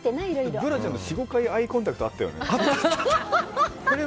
ブラスちゃんと４５回アイコンタクト合ったよね。